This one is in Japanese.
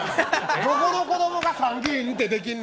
どこの子供が「参議院」ってできんねん？